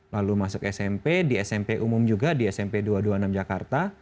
lalu masuk smp di smp umum juga di smp dua ratus dua puluh enam jakarta